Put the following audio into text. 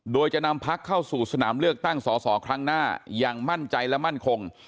โดยจะนำพักเข้าสู่สนามเลือกตั้งสอสอครั้งหน้าอย่างมั่นใจและมั่นคง